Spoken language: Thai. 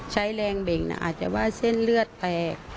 ใช้แรงเบ่งนะอาจจะว่าเส้นเลือดแตก